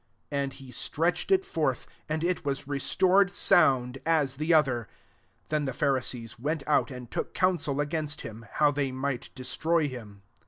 And he stretched ir forth; and it was restored sound, as the other. 14 Then the Pharisees went out, and took counsel against him, how they might destroy him.